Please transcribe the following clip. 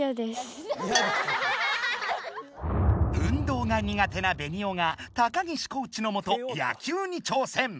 運動が苦手なベニオが高岸コーチのもと野球に挑戦。